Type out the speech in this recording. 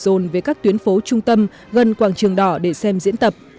đồng tồn với các tuyến phố trung tâm gần quảng trường đỏ để xem diễn tập